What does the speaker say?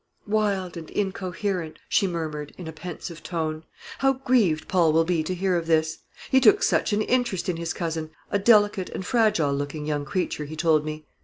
"Wild and incoherent!" she murmured, in a pensive tone. "How grieved Paul will be to hear of this! He took such an interest in his cousin a delicate and fragile looking young creature, he told me.